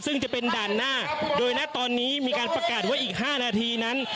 ซึ่งจะเป็นด่านหน้าโดยณตอนนี้มีการประกาศว่าอีก๕นาทีนั้น